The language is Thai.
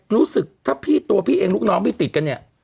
รู้สึกถ้าพี่ตัวพี่เองลูกน้องพี่ติดกันเนี่ย